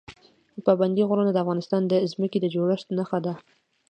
پابندی غرونه د افغانستان د ځمکې د جوړښت نښه ده.